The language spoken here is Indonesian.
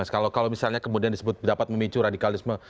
kalau misalnya kemudian disebut dapat memicu radikalisme